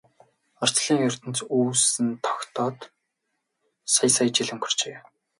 Орчлон ертөнц үүсэн тогтоод сая сая жил өнгөрчээ.